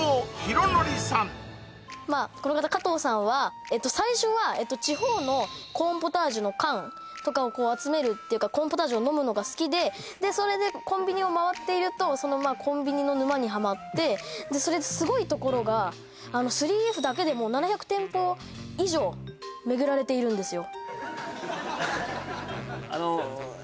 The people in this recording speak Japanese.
加藤さんは最初は地方のコーンポタージュの缶とかを集めるっていうかコーンポタージュを飲むのが好きでそれでコンビニをまわっているとコンビニの沼にハマってそれですごいところがスリーエフだけで７００店舗以上めぐられているんですよ